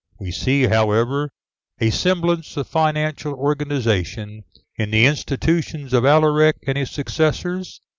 We see, however, a semblance of financial organization in the institutions of Alaric and his successors.